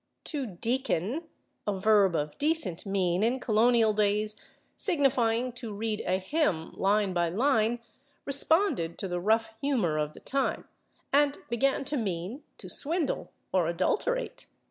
/To deacon/, a verb of decent mien in colonial days, signifying to read a hymn line by line, responded to the rough humor of the time, and began to mean to swindle or adulterate, /e.